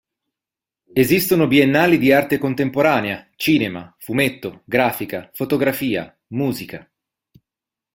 Esistono biennali di arte contemporanea, cinema, fumetto, grafica, fotografia, musica.